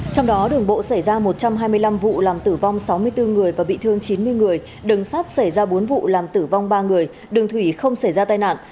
trong đó đường bộ xảy ra một trăm hai mươi năm vụ làm tử vong sáu mươi bốn người và bị thương chín mươi người đường sắt xảy ra bốn vụ làm tử vong ba người đường thủy không xảy ra tai nạn